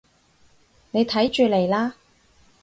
你睇住嚟啦